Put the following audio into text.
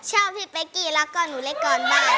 ชอบเฮ็กกี้แล้วก็หนูเลคอลบ้าน